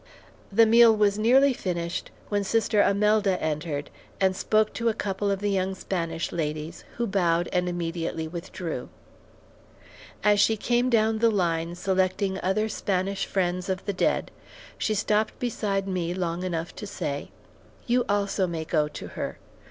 The meal was nearly finished when Sister Amelda entered, and spoke to a couple of the Spanish young ladies, who bowed and immediately withdrew. As she came down the line selecting other Spanish friends of the dead, she stopped beside me long enough to say: "You also may go to her.